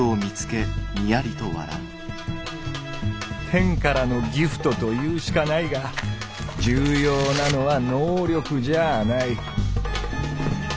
天からの「ギフト」と言うしかないが重要なのは「能力」じゃあない。